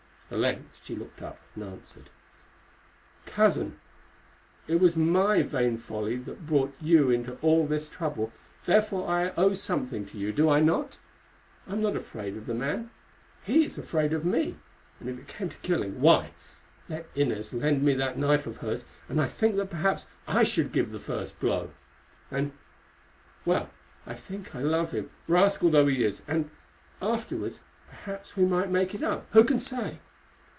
At length she looked up and answered: "Cousin, it was my vain folly that brought you all into this trouble, therefore I owe something to you, do I not? I am not afraid of the man—he is afraid of me; and if it came to killing—why, let Inez lend me that knife of hers, and I think that perhaps I should give the first blow. And—well, I think I love him, rascal though he is, and, afterwards, perhaps we might make it up, who can say?